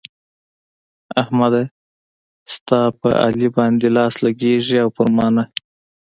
احمده! ستا په علي باندې لاس لګېږي او پر ما نه.